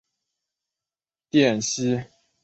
滇西泽芹是伞形科泽芹属的植物。